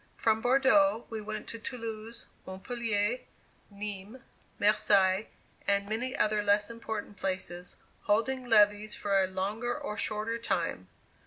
From Bordeaux we went to Toulouse, Montpellier, Nismes, Marseilles, and many other less important places, holding levees for a longer or shorter time.